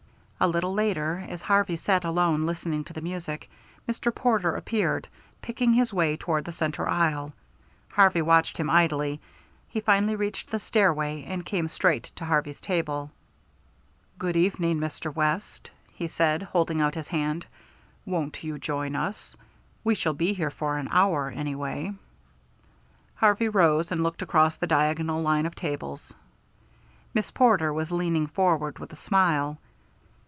A little later, as Harvey sat alone listening to the music, Mr. Porter appeared, picking his way toward the centre aisle. Harvey watched him idly. He finally reached the stairway, and came straight to Harvey's table. "Good evening, Mr. West," he said, holding out his hand. "Won't you join us? We shall be here for an hour, anyway." Harvey rose, and looked across the diagonal line of tables. Miss Porter was leaning forward with a smile.